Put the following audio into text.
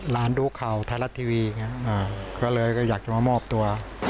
ให้ผู้ใหญ่มาเอามามามอบตัว